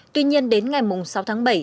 tuy nhiên đến ngày sáu tháng bảy